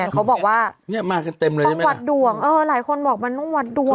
เขาบอกว่าต้องวัดด่วงเออหลายคนบอกมันต้องวัดด่วง